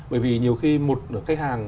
bởi vì nhiều khi một khách hàng